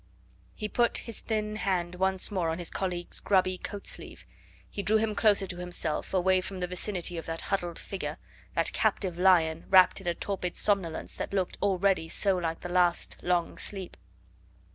He put his thin hand once more on his colleague's grubby coat sleeve, he drew him closer to himself away from the vicinity of that huddled figure, that captive lion, wrapped in a torpid somnolence that looked already so like the last long sleep.